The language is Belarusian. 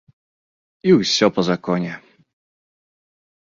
І ўсё па законе.